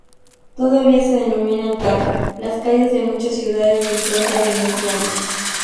Todavía se denominan "calli" las calles de muchas ciudades de impronta veneciana.